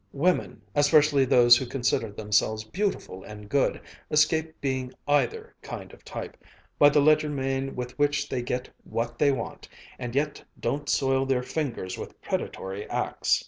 Women, especially those who consider themselves beautiful and good, escape being either kind of type, by the legerdemain with which they get what they want, and yet don't soil their fingers with predatory acts."